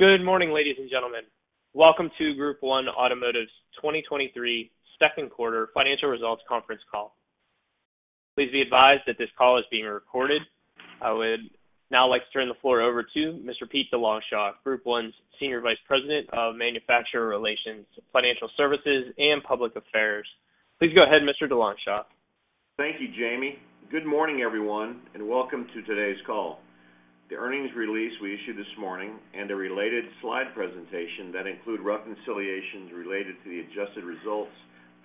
Good morning, ladies and gentlemen. Welcome to Group 1 Automotive's 2023 second quarter financial results conference call. Please be advised that this call is being recorded. I would now like to turn the floor over to Mr. Pete DeLongchamps, Group 1's Senior Vice President of Manufacturer Relations, Financial Services, and Public Affairs. Please go ahead, Mr. DeLongchamps. Thank you, Jamie. Good morning, everyone, and welcome to today's call. The earnings release we issued this morning and a related slide presentation that include reconciliations related to the adjusted results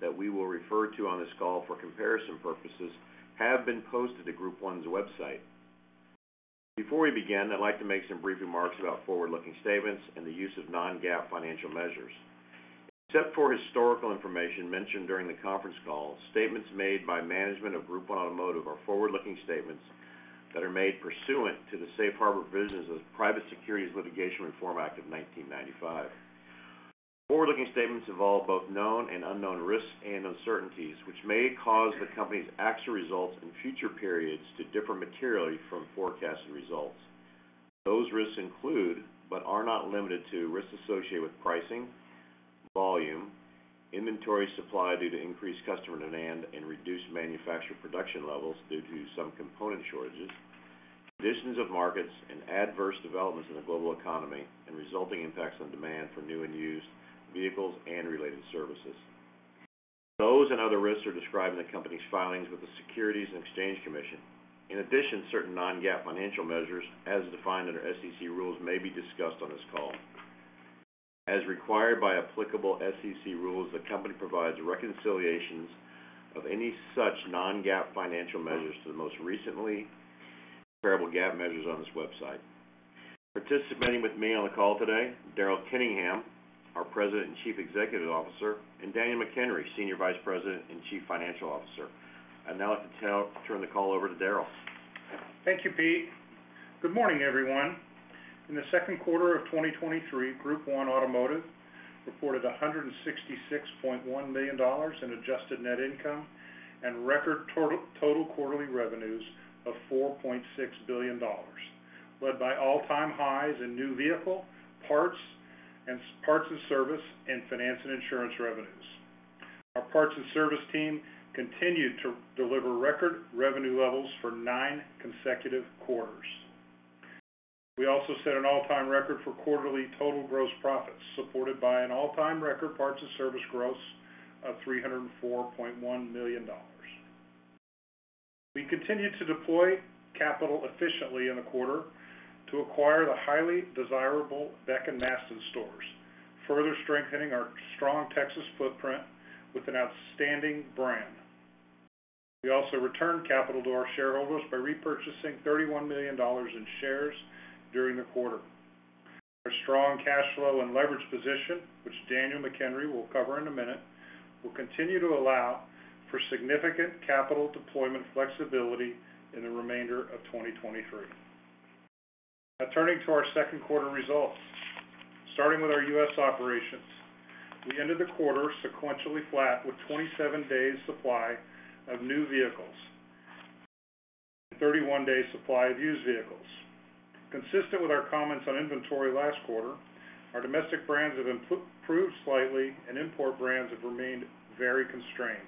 that we will refer to on this call for comparison purposes have been posted to Group 1's website. Before we begin, I'd like to make some brief remarks about forward-looking statements and the use of non-GAAP financial measures. Except for historical information mentioned during the conference call, statements made by management of Group 1 Automotive are forward-looking statements that are made pursuant to the Safe Harbor provisions of the Private Securities Litigation Reform Act of 1995. Forward-looking statements involve both known and unknown risks and uncertainties, which may cause the company's actual results in future periods to differ materially from forecasted results. Those risks include, but are not limited to, risks associated with pricing, volume, inventory supply due to increased customer demand and reduced manufacturer production levels due to some component shortages, conditions of markets and adverse developments in the global economy, and resulting impacts on demand for new and used vehicles and related services. Those and other risks are described in the company's filings with the Securities and Exchange Commission. In addition, certain non-GAAP financial measures, as defined under SEC rules, may be discussed on this call. As required by applicable SEC rules, the company provides reconciliations of any such non-GAAP financial measures to the most recently comparable GAAP measures on this website. Participating with me on the call today, Daryl Kenningham, our President and Chief Executive Officer, and Daniel McHenry, Senior Vice President and Chief Financial Officer. I'd now like to turn the call over to Daryl. Thank you, Pete. Good morning, everyone. In the second quarter of 2023, Group 1 Automotive reported $166.1 million in adjusted net income and record total quarterly revenues of $4.6 billion, led by all-time highs in new vehicle, parts and service, and finance and insurance revenues. Our parts and service team continued to deliver record revenue levels for nine consecutive quarters. We also set an all-time record for quarterly total gross profits, supported by an all-time record parts and service gross of $304.1 million. We continued to deploy capital efficiently in the quarter to acquire the highly desirable Beck & Masten stores, further strengthening our strong Texas footprint with an outstanding brand. We also returned capital to our shareholders by repurchasing $31 million in shares during the quarter. Our strong cash flow and leverage position, which Daniel McHenry will cover in a minute, will continue to allow for significant capital deployment flexibility in the remainder of 2023. Now turning to our second quarter results. Starting with our U.S. operations, we ended the quarter sequentially flat with 27 days supply of new vehicles and 31-day supply of used vehicles. Consistent with our comments on inventory last quarter, our domestic brands have improved slightly and import brands have remained very constrained.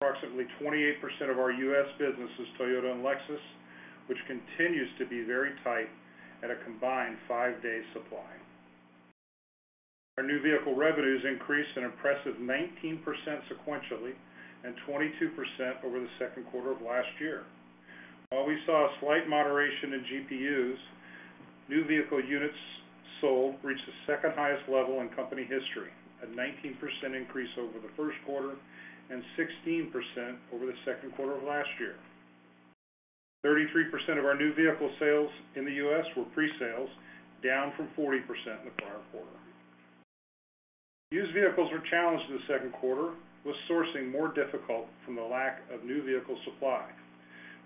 Approximately 28% of our U.S. business is Toyota and Lexus, which continues to be very tight at a combined five-day supply. Our new vehicle revenues increased an impressive 19% sequentially and 22% over the second quarter of last year. While we saw a slight moderation in GPUs, new vehicle units sold reached the second highest level in company history, a 19% increase over the first quarter and 16% over the second quarter of last year. 33% of our new vehicle sales in the U.S. were pre-sales, down from 40% in the prior quarter. Used vehicles were challenged in the second quarter, with sourcing more difficult from the lack of new vehicle supply.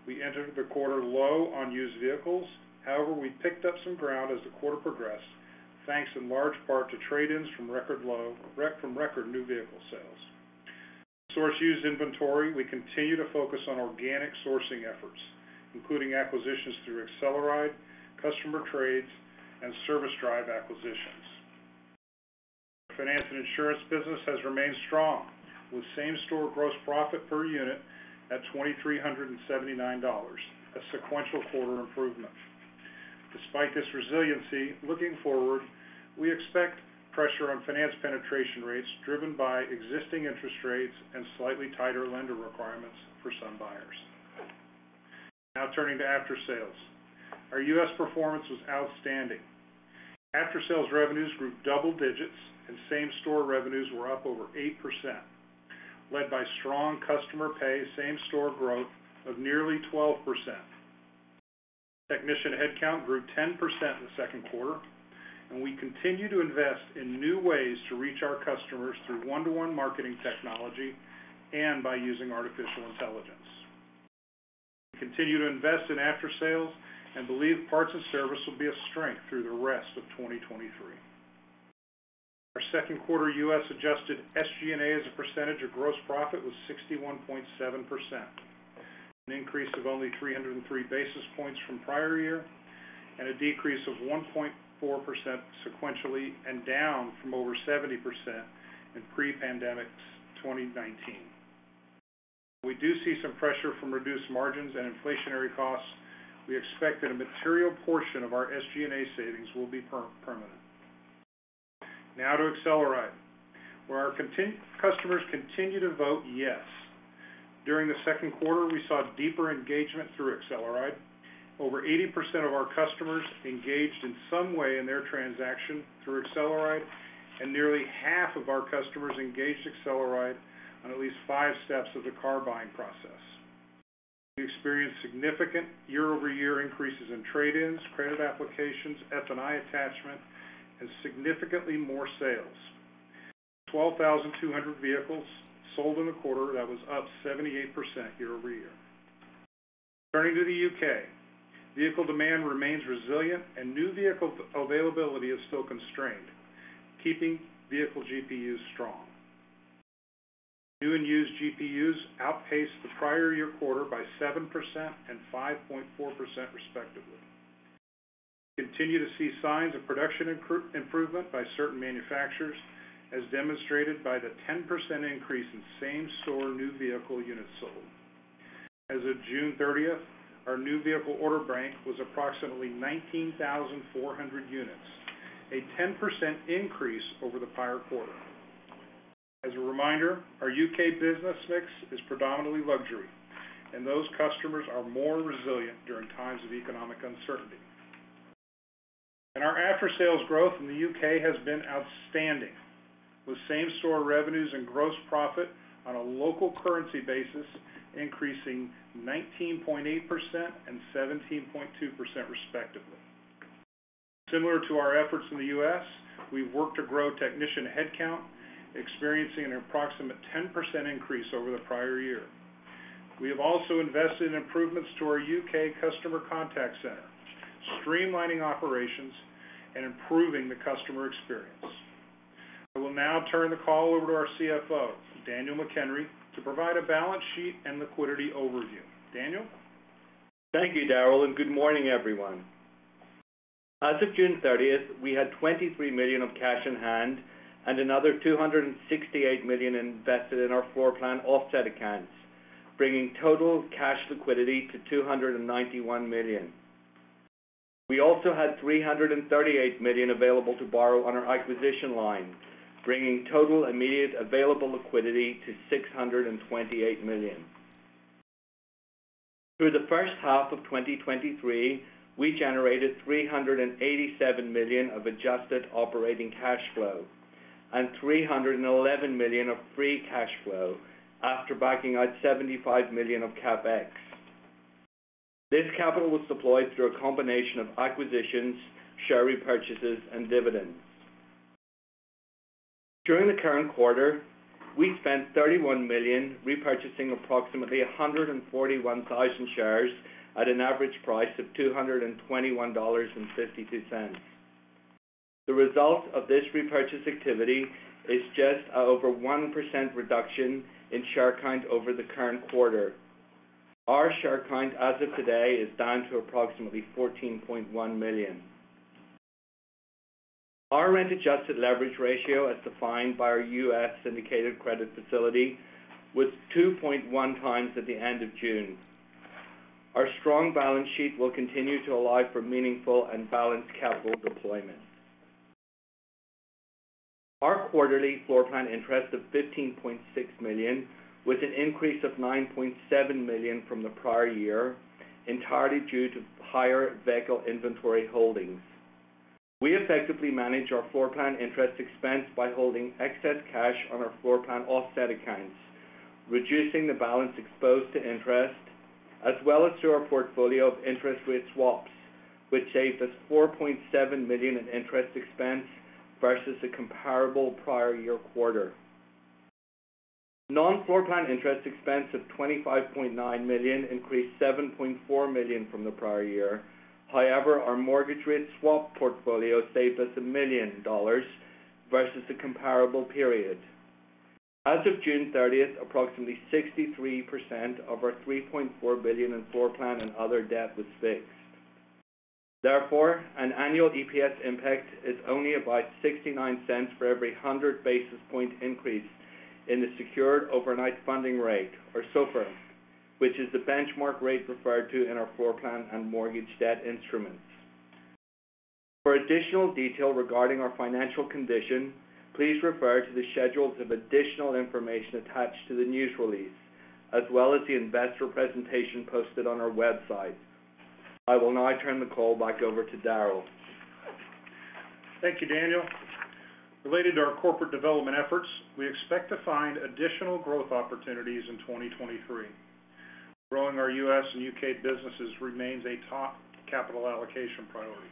We entered the quarter low on used vehicles. However, we picked up some ground as the quarter progressed, thanks in large part to trade-ins from record new vehicle sales. To source used inventory, we continue to focus on organic sourcing efforts, including acquisitions through AcceleRide, customer trades, and service drive acquisitions. Finance and insurance business has remained strong, with same-store gross profit per unit at $2,379, a sequential quarter improvement. Despite this resiliency, looking forward, we expect pressure on finance penetration rates driven by existing interest rates and slightly tighter lender requirements for some buyers. Turning to aftersales. Our U.S. performance was outstanding. Aftersales revenues grew double digits, and same-store revenues were up over 8%, led by strong customer pay same-store growth of nearly 12%. Technician headcount grew 10% in the second quarter, and we continue to invest in new ways to reach our customers through one-to-one marketing technology and by using artificial intelligence. We continue to invest in aftersales and believe parts and service will be a strength through the rest of 2023. Our second quarter U.S. adjusted SG&A as a percentage of gross profit was 61.7%, an increase of only 303 basis points from prior year, a decrease of 1.4% sequentially and down from over 70% in pre-pandemic 2019. We do see some pressure from reduced margins and inflationary costs. We expect that a material portion of our SG&A savings will be permanent. To AcceleRide, where our customers continue to vote yes. During the second quarter, we saw deeper engagement through AcceleRide. Over 80% of our customers engaged in some way in their transaction through AcceleRide, nearly half of our customers engaged AcceleRide on at least five steps of the car buying process. We experienced significant year-over-year increases in trade-ins, credit applications, F&I attachment, significantly more sales. 12,200 vehicles sold in the quarter, that was up 78% year-over-year. Turning to the U.K., vehicle demand remains resilient and new vehicle availability is still constrained, keeping vehicle GPUs strong. New and used GPUs outpaced the prior year quarter by 7% and 5.4%, respectively. We continue to see signs of production improvement by certain manufacturers, as demonstrated by the 10% increase in same-store new vehicle units sold. As of June 30, our new vehicle order bank was approximately 19,400 units, a 10% increase over the prior quarter. As a reminder, our U.K. business mix is predominantly luxury, and those customers are more resilient during times of economic uncertainty. Our after-sales growth in the U.K. has been outstanding, with same-store revenues and gross profit on a local currency basis, increasing 19.8% and 17.2%, respectively. Similar to our efforts in the U.S., we've worked to grow technician headcount, experiencing an approximate 10% increase over the prior year. We have also invested in improvements to our U.K. customer contact center, streamlining operations and improving the customer experience. I will now turn the call over to our CFO, Daniel McHenry, to provide a balance sheet and liquidity overview. Daniel? Thank you, Daryl, good morning, everyone. As of June 30th, we had $23 million of cash in hand and another $268 million invested in our floor plan offset accounts, bringing total cash liquidity to $291 million. We also had $338 million available to borrow on our acquisition line, bringing total immediate available liquidity to $628 million. Through the first half of 2023, we generated $387 million of adjusted operating cash flow and $311 million of free cash flow after backing out $75 million of CapEx. This capital was deployed through a combination of acquisitions, share repurchases, and dividends. During the current quarter, we spent $31 million, repurchasing approximately 141,000 shares at an average price of $221.52. The result of this repurchase activity is just over 1% reduction in share count over the current quarter. Our share count, as of today, is down to approximately $14.1 million. Our rent-adjusted leverage ratio, as defined by our U.S. syndicated credit facility, was 2.1x at the end of June. Our strong balance sheet will continue to allow for meaningful and balanced capital deployment. Our quarterly floor plan interest of $15.6 million, was an increase of $9.7 million from the prior year, entirely due to higher vehicle inventory holdings. We effectively manage our floor plan interest expense by holding excess cash on our floor plan offset accounts, reducing the balance exposed to interest, as well as through our portfolio of interest rate swaps, which saved us $4.7 million in interest expense versus the comparable prior year quarter. Non-floor plan interest expense of $25.9 million increased $7.4 million from the prior year. Our mortgage rate swap portfolio saved us $1 million versus the comparable period. As of June 30th, approximately 63% of our $3.4 billion in floor plan and other debt was fixed. An annual EPS impact is only about $0.69 for every 100 basis point increase in the secured overnight funding rate, or SOFR, which is the benchmark rate referred to in our floor plan and mortgage debt instruments. For additional detail regarding our financial condition, please refer to the schedules of additional information attached to the news release, as well as the investor presentation posted on our website. I will now turn the call back over to Daryl. Thank you, Daniel. Related to our corporate development efforts, we expect to find additional growth opportunities in 2023. Growing our U.S. and U.K. businesses remains a top capital allocation priority.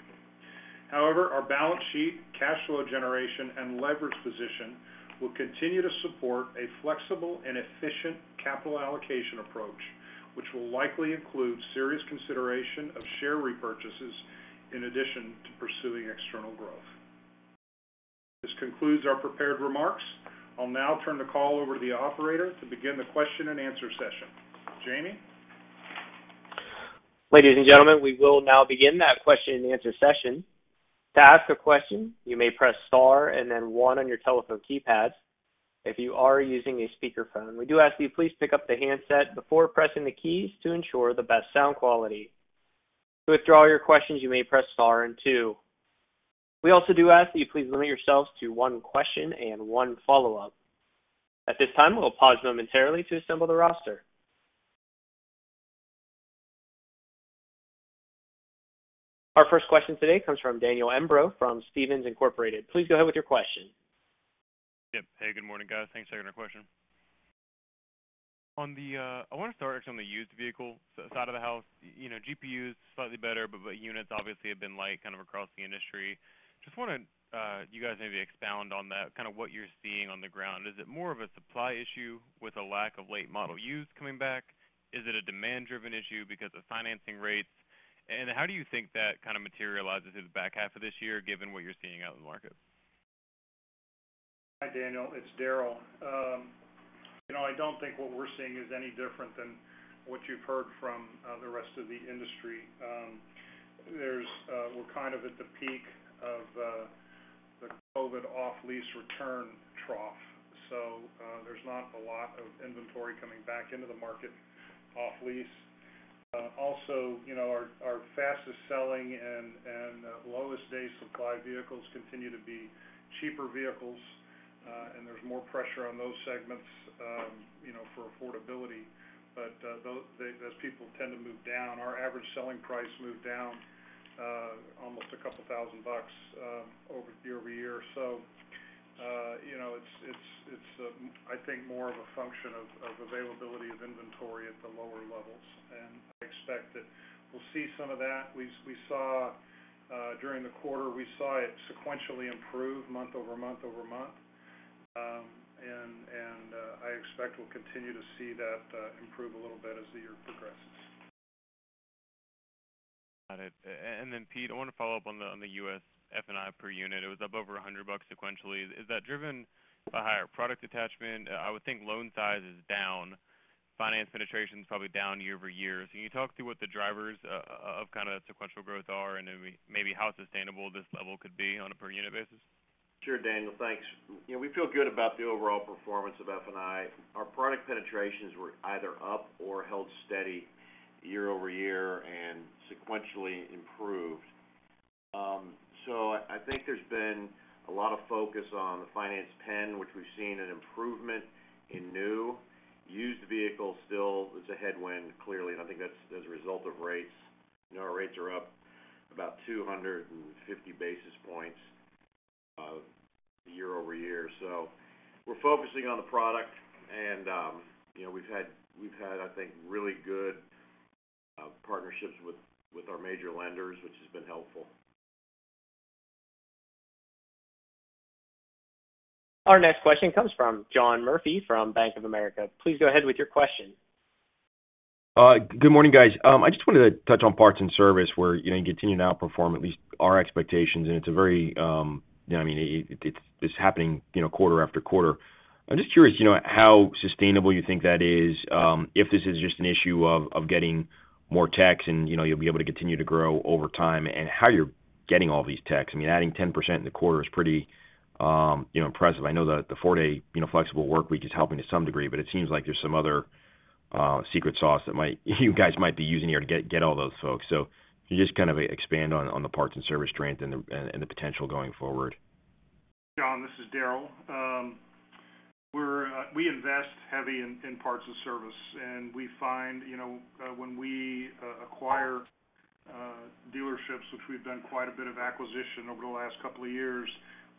However, our balance sheet, cash flow generation, and leverage position will continue to support a flexible and efficient capital allocation approach, which will likely include serious consideration of share repurchases in addition to pursuing external growth. This concludes our prepared remarks. I'll now turn the call over to the operator to begin the question and answer session. Jamie? Ladies and gentlemen, we will now begin that question and answer session. To ask a question, you may press star and then one on your telephone keypad. If you are using a speakerphone, we do ask you please pick up the handset before pressing the keys to ensure the best sound quality. To withdraw your questions, you may press star and two. We also do ask that you please limit yourselves to one question and one follow-up. At this time, we'll pause momentarily to assemble the roster. Our first question today comes from Daniel Imbro from Stephens Inc. Please go ahead with your question. Yep. Hey, good morning, guys. Thanks for taking our question. I want to start actually on the used vehicle side of the house. You know, GPU is slightly better, but units obviously have been light kind of across the industry. Wanted you guys maybe expound on that, kind of what you're seeing on the ground. Is it more of a supply issue with a lack of late model used coming back? Is it a demand-driven issue because of financing rates? How do you think that kind of materializes in the back half of this year, given what you're seeing out in the market? Hi, Daniel, it's Daryl. you know, I don't think what we're seeing is any different than what you've heard from the rest of the industry. We're kind of at the peak of the COVID off-lease return trough, so there's not a lot of inventory coming back into the market off lease. Also, you know, our fastest-selling and lowest day supply vehicles continue to be cheaper vehicles, and there's more pressure on those segments, you know, for affordability. They, as people tend to move down, our average selling price moved down almost a couple thousand bucks over year-over-year. So, you know, it's, it's, I think, more of a function of availability of inventory at the lower levels, and I expect that we'll see some of that. We saw during the quarter, we saw it sequentially improve month-over-month-over-month. I expect we'll continue to see that improve a little bit as the year progresses. Got it. Pete, I want to follow up on the, on the U.S. F&I per unit. It was up over $100 sequentially. Is that driven by higher product attachment? I would think loan size is down. Finance penetration is probably down year-over-year. Can you talk through what the drivers of kinda sequential growth are, and then maybe how sustainable this level could be on a per unit basis? Sure, Daniel, thanks. You know, we feel good about the overall performance of F&I. Our product penetrations were either up or held steady year-over-year and sequentially improved. I think there's been a lot of focus on the finance pen, which we've seen an improvement in new. Used vehicles still, it's a headwind, clearly, and I think that's as a result of rates. You know, our rates are up about 250 basis points, year-over-year. We're focusing on the product and, you know, we've had, I think, really good partnerships with our major lenders, which has been helpful. Our next question comes from John Murphy, from Bank of America. Please go ahead with your question. Good morning, guys. I just wanted to touch on parts and service, where you continue to outperform at least our expectations, and it's a very, you know, I mean, it's happening, you know, quarter after quarter. I'm just curious, you know, how sustainable you think that is, if this is just an issue of getting more techs and, you know, you'll be able to continue to grow over time, and how you're getting all these techs. I mean, adding 10% in the quarter is pretty, you know, impressive. I know that the four-day, you know, flexible workweek is helping to some degree, but it seems like there's some other secret sauce that might you guys might be using here to get all those folks. Can you just kind of expand on the parts and service strength and the potential going forward? John, this is Daryl. We invest heavy in parts and service. We find, you know, when we acquire dealerships, which we've done quite a bit of acquisition over the last couple of years,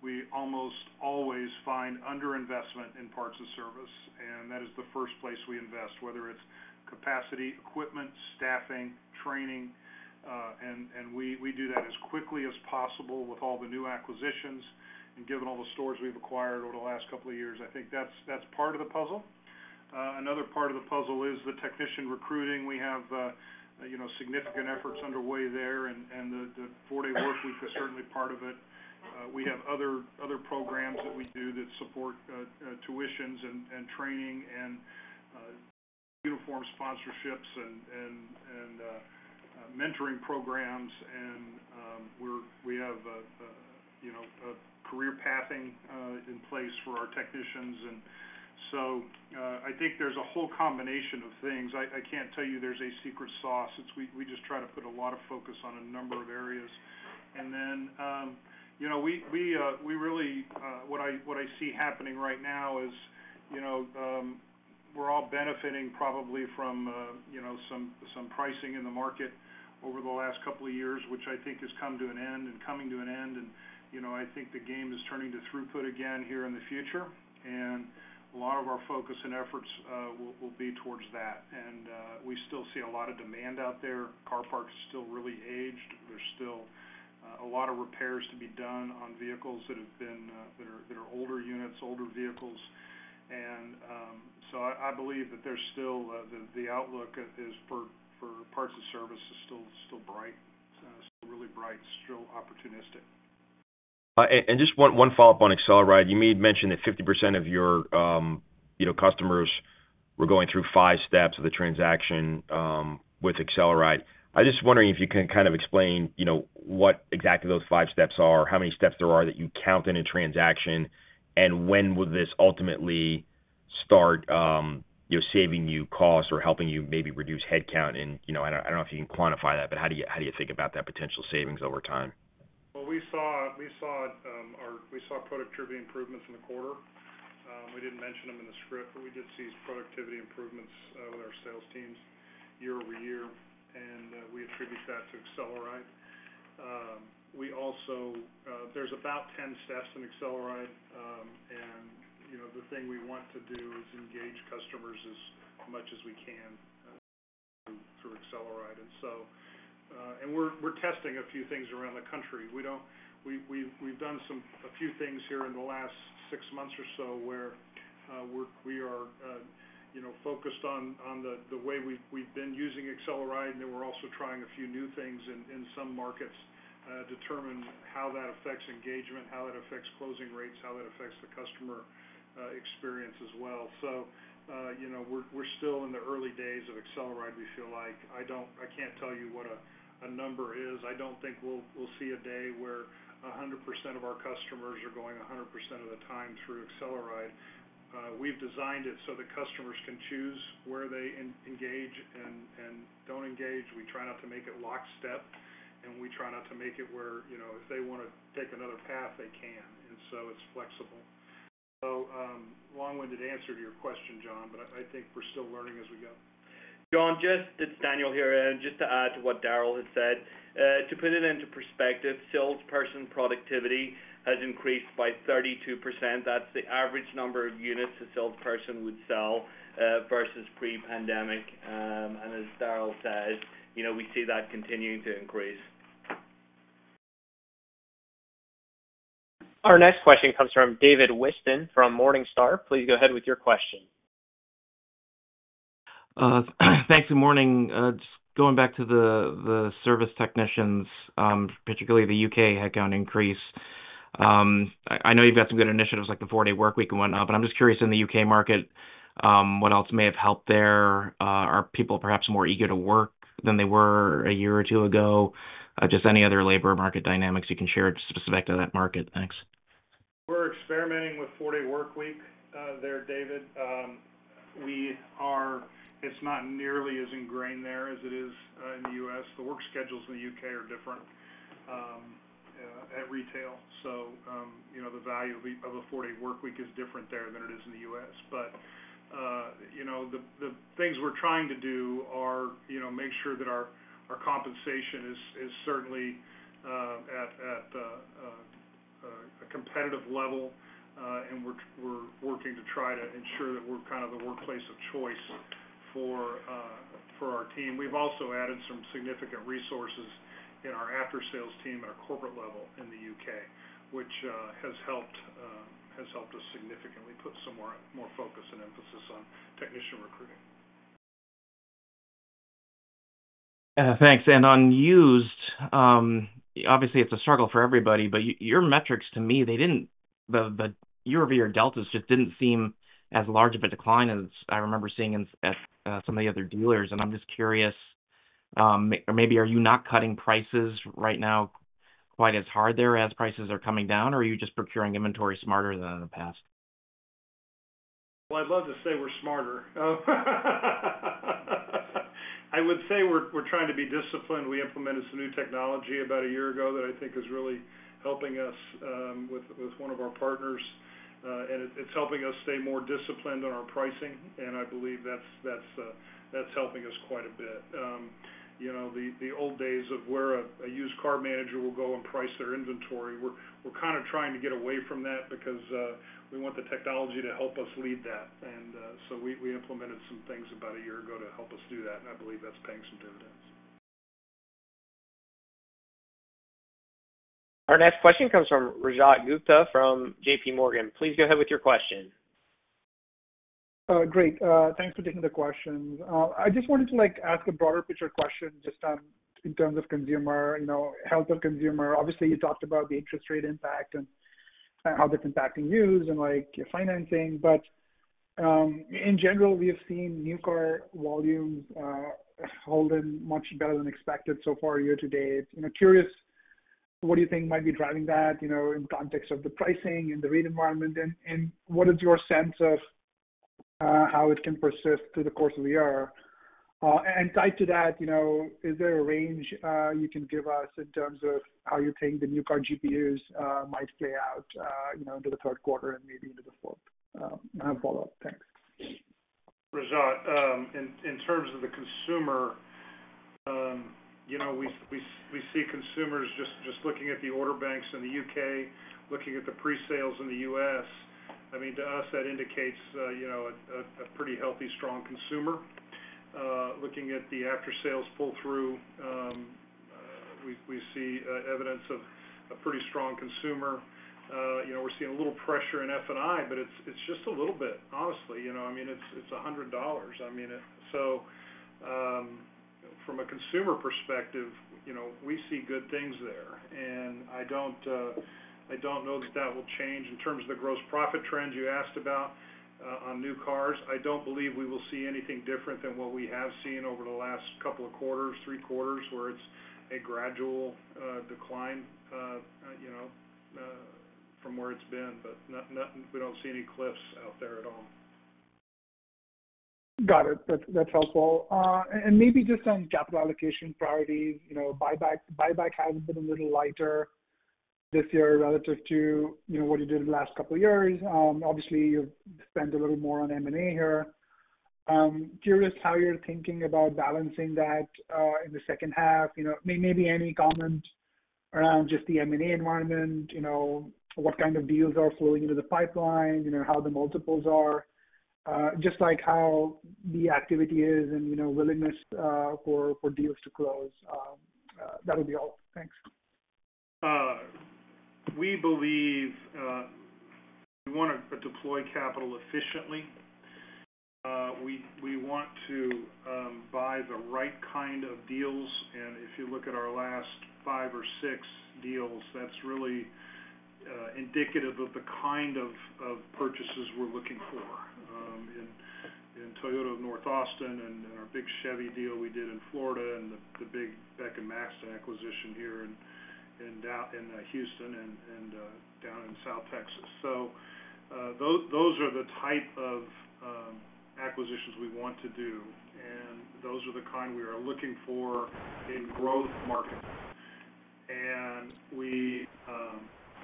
we almost always find underinvestment in parts and service. That is the first place we invest, whether it's capacity, equipment, staffing, training. We do that as quickly as possible with all the new acquisitions. Given all the stores we've acquired over the last couple of years, I think that's part of the puzzle. Another part of the puzzle is the technician recruiting. We have, you know, significant efforts underway there. The four-day workweek is certainly part of it. We have other programs that we do that support tuitions and training and uniform sponsorships and mentoring programs, and we have a, you know, a career pathing in place for our technicians. I think there's a whole combination of things. I can't tell you there's a secret sauce. We just try to put a lot of focus on a number of areas. Then, you know, we really, what I see happening right now is, you know, we're all benefiting probably from, you know, some pricing in the market over the last couple of years, which I think has come to an end and coming to an end. You know, I think the game is turning to throughput again here in the future. A lot of our focus and efforts will be towards that. We still see a lot of demand out there. Car park is still really aged. There's still a lot of repairs to be done on vehicles that have been that are older units, older vehicles. I believe that there's still the outlook is for parts of service is still bright, still really bright, still opportunistic. Just one follow-up on AcceleRide. You made mention that 50% of your, you know, customers were going through five steps of the transaction with AcceleRide. I'm just wondering if you can kind of explain, you know, what exactly those five steps are, how many steps there are that you count in a transaction, and when would this ultimately start, you know, saving you costs or helping you maybe reduce headcount? You know, I don't know if you can quantify that, but how do you think about that potential savings over time? Well, we saw productivity improvements in the quarter. We didn't mention them in the script, but we did see productivity improvements with our sales teams year-over-year, we attribute that to AcceleRide. We also. There's about 10 steps in AcceleRide, and, you know, the thing we want to do is engage customers as much as we can through AcceleRide. We're testing a few things around the country. We've done some, a few things here in the last six months or so, where we are, you know, focused on the way we've been using AcceleRide, we're also trying a few new things in some markets, determine how that affects engagement, how that affects closing rates, how that affects the customer experience as well. You know, we're still in the early days of AcceleRide, we feel like. I can't tell you what a number is. I don't think we'll see a day where 100% of our customers are going 100% of the time through AcceleRide. We've designed it so the customers can choose where they engage and don't engage. We try not to make it lockstep, and we try not to make it where, you know, if they wanna take another path, they can, and so it's flexible. Long-winded answer to your question, John, but I think we're still learning as we go. John, it's Daniel here. Just to add to what Daryl had said, to put it into perspective, salesperson productivity has increased by 32%. That's the average number of units a salesperson would sell versus pre-pandemic. As Daryl says, you know, we see that continuing to increase. Our next question comes from David Whiston from Morningstar. Please go ahead with your question. Thanks. Morning. Just going back to the service technicians, particularly the U.K. headcount increase. I know you've got some good initiatives like the four-day workweek and what not, but I'm just curious, in the U.K. market, what else may have helped there? Are people perhaps more eager to work than they were a year or two ago? Just any other labor market dynamics you can share specific to that market? Thanks. We're experimenting with four-day workweek, there, David. It's not nearly as ingrained there as it is in the U.S. The work schedules in the U.K. are different at retail, so, you know, the value of a, of a four-day workweek is different there than it is in the U.S. You know, the things we're trying to do are, you know, make sure that our compensation is certainly at a competitive level, and we're working to try to ensure that we're kind of the workplace of choice for our team. We've also added some significant resources in our aftersales team at our corporate level in the U.K., which has helped us significantly put some more focus and emphasis on technician recruiting. Thanks. On used, obviously, it's a struggle for everybody, but your metrics to me, they didn't the year-over-year deltas just didn't seem as large of a decline as I remember seeing in, at, some of the other dealers. I'm just curious, maybe are you not cutting prices right now quite as hard there as prices are coming down, or are you just procuring inventory smarter than in the past? Well, I'd love to say we're smarter. I would say we're trying to be disciplined. We implemented some new technology about a year ago that I think is really helping us with one of our partners, and it's helping us stay more disciplined on our pricing, and I believe that's helping us quite a bit. You know, the old days of where a used car manager will go and price their inventory, we're kind of trying to get away from that because we want the technology to help us lead that. We implemented some things about a year ago to help us do that, and I believe that's paying some dividends. Our next question comes from Rajat Gupta from JPMorgan. Please go ahead with your question. Great. Thanks for taking the questions. I just wanted to, like, ask a broader picture question, just, in terms of consumer, you know, health of consumer. Obviously, you talked about the interest rate impact and how that's impacting you and, like, your financing. In general, we have seen new car volumes, holding much better than expected so far year-to-date. You know, curious, what do you think might be driving that, you know, in context of the pricing and the rate environment? What is your sense of, how it can persist through the course of the year? And tied to that, you know, is there a range, you can give us in terms of how you think the new car GPUs might play out, you know, into the third quarter and maybe into the fourth? I have a follow-up. Thanks. Rajat, you know, we see consumers just looking at the order banks in the U.K., looking at the pre-sales in the U.S.. I mean, to us, that indicates, you know, a pretty healthy, strong consumer. Looking at the after-sales pull-through, we see evidence of a pretty strong consumer. You know, we're seeing a little pressure in F&I, but it's just a little bit, honestly. You know, I mean, it's $100. From a consumer perspective, you know, we see good things there, and I don't know that that will change. In terms of the gross profit trends you asked about, on new cars, I don't believe we will see anything different than what we have seen over the last couple of quarters, three quarters, where it's a gradual, decline, you know, from where it's been. But nothing we don't see any cliffs out there at all. Got it. That's, that's helpful. And maybe just on capital allocation priorities, you know, buyback has been a little lighter this year relative to, you know, what you did in the last couple of years. Obviously, you've spent a little more on M&A here. Curious how you're thinking about balancing that in the second half. You know, maybe any comment around just the M&A environment, you know, what kind of deals are flowing into the pipeline, you know, how the multiples are? Just like how the activity is and, you know, willingness for deals to close. That would be all. Thanks. We believe we want to deploy capital efficiently. We want to buy the right kind of deals, and if you look at our last five or six deals, that's really indicative of the kind of purchases we're looking for. In Toyota of North Austin and in our big Chevrolet deal we did in Florida and the big Beck & Masten acquisition here in Houston and down in South Texas. Those are the type of acquisitions we want to do, and those are the kind we are looking for in growth markets.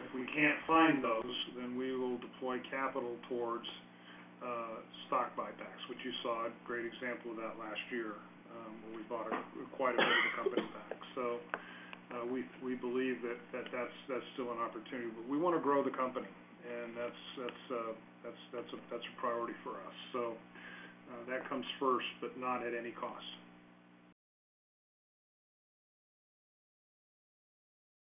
If we can't find those, then we will deploy capital towards stock buybacks, which you saw a great example of that last year, where we bought quite a bit of the company back. We believe that that's still an opportunity, but we want to grow the company, and that's a priority for us. That comes first, but not at any cost.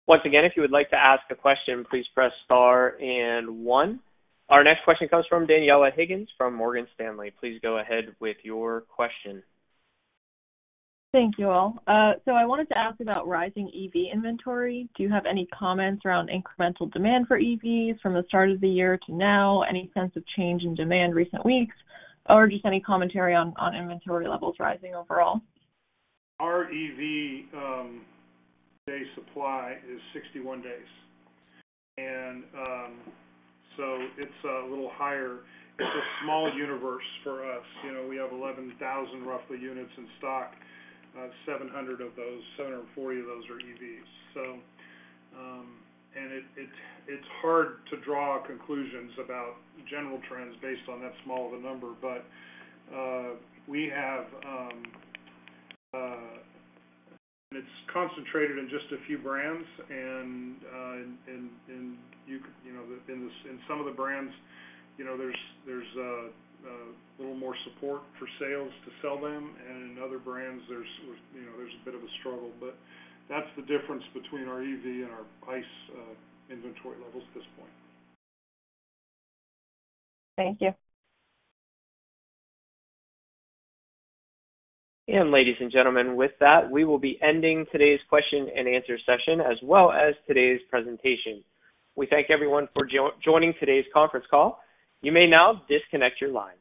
Once again, if you would like to ask a question, please press star and one. Our next question comes from Daniela Haigian from Morgan Stanley. Please go ahead with your question. Thank you, all. I wanted to ask about rising EV inventory. Do you have any comments around incremental demand for EVs from the start of the year to now? Any sense of change in demand recent weeks, or just any commentary on inventory levels rising overall? Our EV day supply is 61 days. It's a little higher. It's a small universe for us. You know, we have 11,000, roughly, units in stock. 700 of those, 740 of those are EVs. It's hard to draw conclusions about general trends based on that small of a number. We have, it's concentrated in just a few brands and, in some of the brands, you know, there's a little more support for sales to sell them, and in other brands, there's, you know, there's a bit of a struggle. That's the difference between our EV and our ICE inventory levels at this point. Thank you. Ladies and gentlemen, with that, we will be ending today's question and answer session, as well as today's presentation. We thank everyone for joining today's conference call. You may now disconnect your lines.